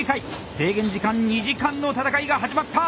制限時間２時間の戦いが始まった！